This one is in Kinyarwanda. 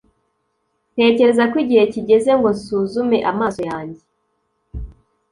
ntekereza ko igihe kigeze ngo nsuzume amaso yanjye